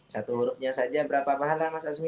satu hurufnya saja berapa pahala mas azmi